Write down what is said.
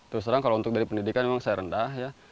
terus terang kalau untuk dari pendidikan memang saya rendah ya